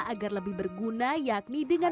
agar lebih berguna yakni dengan